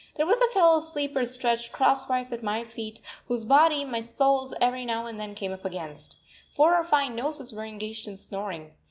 There was a fellow sleeper stretched crosswise at my feet whose body my soles every now and then came up against. Four or five noses were engaged in snoring.